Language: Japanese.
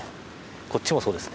こっちもそうですね。